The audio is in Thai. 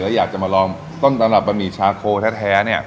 แล้วอยากจะมาลองต้นตำรับบะหมี่ชาโคแท้เนี่ย